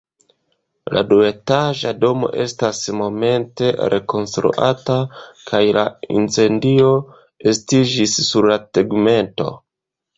La duetaĝa domo estas momente rekonstruata, kaj la incendio estiĝis sur la tegmento.